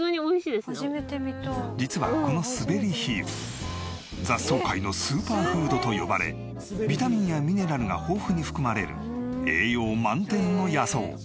実はこのスベリヒユ雑草界のスーパーフードと呼ばれビタミンやミネラルが豊富に含まれる栄養満点の野草。